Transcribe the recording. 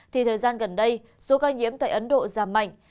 thì thời gian gần đây số ca nhiễm tại ấn độ giảm mạnh